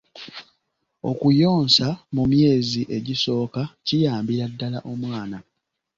Okuyonsa mu myezi egisooka kiyambira ddala omwana.